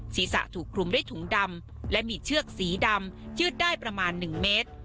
ศีรษะถูกคลุมด้วยถุงดำและมีเชือกสีดำยืดได้ประมาณ๑เมตร